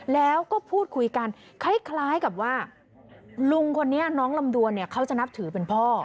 แล้วก็พูดคุยกันคล้ายกับว่าลุงคนนี้น้องลำดวนเนี่ยเขาจะนับถือเป็นพ่อ